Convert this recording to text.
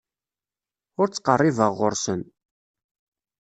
Ur ttqerribeɣ ɣer-sen.